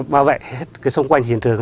bảo vệ hết cái xung quanh hiện trường đó